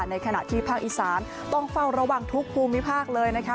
ในขณะที่ภาคอีสานต้องเฝ้าระวังทุกภูมิภาคเลยนะคะ